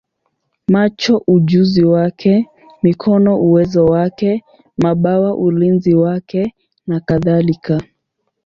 macho ujuzi wake, mikono uwezo wake, mabawa ulinzi wake, nakadhalika.